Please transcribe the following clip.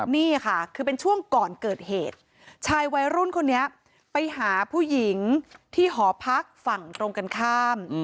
นี่ค่ะคือเป็นช่วงก่อนเกิดเหตุชายวัยรุ่นคนนี้ไปหาผู้หญิงที่หอพักฝั่งตรงกันข้าม